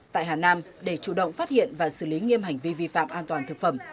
tại hà nam để chủ động phát hiện và xử lý nghiêm hành vi vi phạm an toàn thực phẩm